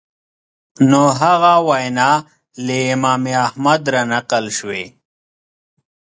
نو هغه وینا له امام احمد رانقل شوې